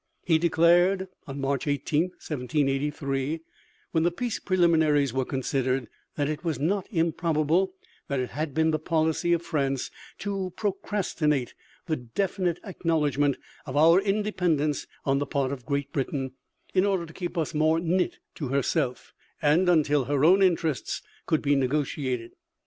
He declared (March 18, 1783), when the peace preliminaries were considered, that it was "not improbable that it had been the policy of France to procrastinate the definite acknowledgment of our independence on the part of Great Britain, in order to keep us more knit to herself, and until her own interests could be negotiated."